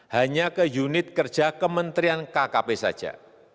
hanya ke unit kerja kementerian kkp saja